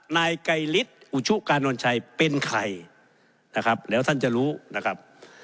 นายไกรฤทธิ์อุชุกานนชัยเป็นใครนะครับแล้วท่านจะรู้นะครับ